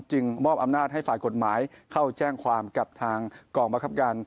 มอบอำนาจให้ฝ่ายกฎหมายเข้าแจ้งความกับทางกองบังคับการ